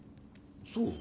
そう？